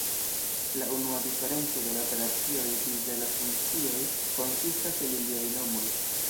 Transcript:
La unua diferenco de la operacioj disde la funkcioj konsistas en iliaj nomoj.